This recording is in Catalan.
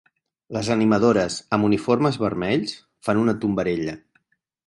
Les animadores amb uniformes vermells fan una tombarella.